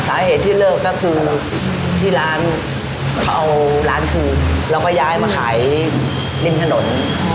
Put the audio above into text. สาเหตุที่เลิกก็คือที่ร้านเขาเอาร้านคืนแล้วก็ย้ายมาขายริมถนน